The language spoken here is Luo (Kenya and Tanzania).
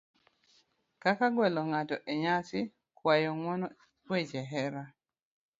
kaka gwelo ng'ato e nyasi, kuayo ng'uono, weche hera,